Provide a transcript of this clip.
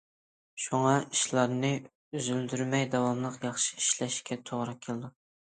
شۇڭا ئىشلارنى ئۈزۈلدۈرمەي داۋاملىق ياخشى ئىشلەشكە توغرا كېلىدۇ.